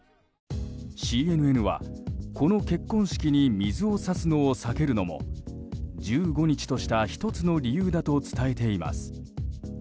ＣＮＮは、この結婚式に水を差すのを避けるのも１５日とした１つの理由だと伝えています。